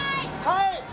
はい！